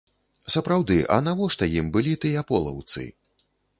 Сапраўды, а навошта ім былі тыя полаўцы?